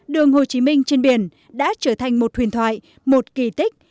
đường hồ chí minh trên biển đã trở thành một huyền thoại một kỳ tích